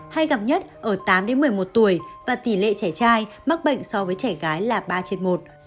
hay gặp nhất ở tám một mươi một tuổi và tỷ lệ trẻ trai mắc bệnh so với trẻ gái là ba trên một